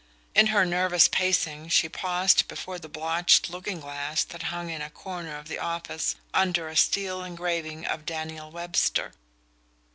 In her nervous pacings she paused before the blotched looking glass that hung in a corner of the office under a steel engraving of Daniel Webster.